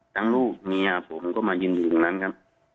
ลูกเมียผมก็มายืนอยู่ตรงนั้นครับ